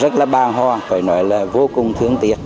phải nói là vô cùng thương tiếc